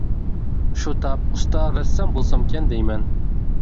شۇ تاپ ئۇستا رەسسام بولسامكەن دەيمەن.